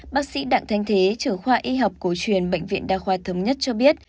bác sĩ đặng thanh thế trưởng khoa y học cổ truyền bệnh viện đa khoa thống nhất cho biết